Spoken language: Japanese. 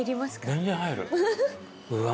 全然入る。